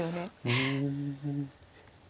うん。